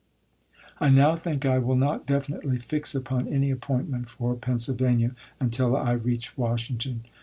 I now think I will not definitely fix upon any appoint ms. ment for Pennsylvania until I reach Washington.